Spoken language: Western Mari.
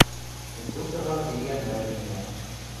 Инструкторлан книгӓм нӓлӹн миӓ.